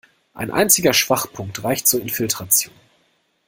Ein einziger Schwachpunkt reicht zur Infiltration.